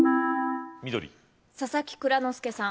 緑佐々木蔵之介さん